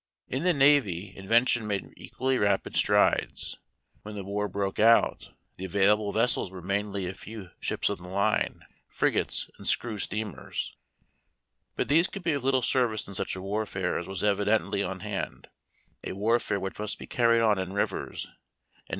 In the navy Invention made equally rapid strides. When the war broke out, the available vessels were mainly a few ships of the line, frigates and screw steamers; but these could be of little service in such a warfare as was evidently on hand, a warfare which must be carried on in rivers, and A GUNBOAT.